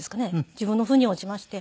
自分の腑に落ちまして。